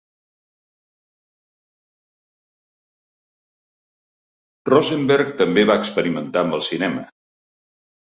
Rosenberg també va experimentar amb el cinema.